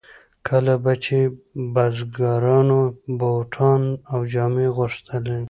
کله به چې بزګرانو بوټان او جامې غوښتلې.